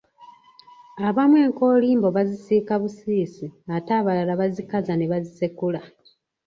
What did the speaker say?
Awamu enkoolimbo bazisiika busiisi ate abalala bazikaza ne bazisekula.